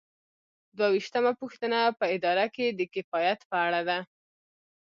دوه ویشتمه پوښتنه په اداره کې د کفایت په اړه ده.